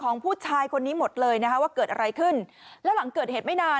ของผู้ชายคนนี้หมดเลยนะคะว่าเกิดอะไรขึ้นแล้วหลังเกิดเหตุไม่นาน